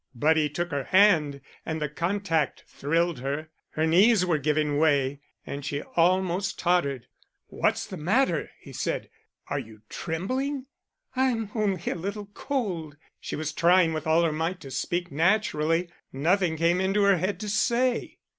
But he took her hand and the contact thrilled her; her knees were giving way, and she almost tottered. "What's the matter?" he said. "Are you trembling?" "I'm only a little cold." She was trying with all her might to speak naturally. Nothing came into her head to say.